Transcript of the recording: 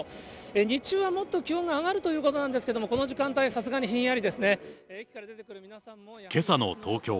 日中はもっと気温が上がるということなんですけれども、この時間けさの東京。